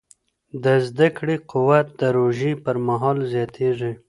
د زده کړې قوت د روژې پر مهال زیاتېږي.